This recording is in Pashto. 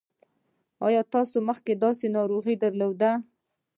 ایا تاسو مخکې داسې ناروغ درلود؟